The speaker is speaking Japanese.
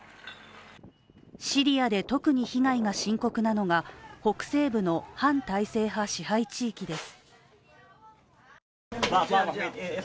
シリアで特に被害が深刻なのが北西部の反体制派支配地域です。